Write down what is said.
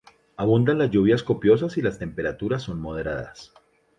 Abundan las lluvias copiosas y las temperaturas son moderadas.